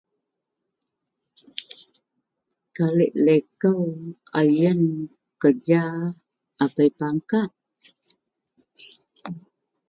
Sejarah wak najar gak sekul selalu, wak sejarah liko kek un, wak sejarah liko telo, wspecially liko mukah melanau debei, debei g nesuk dagen sejarah.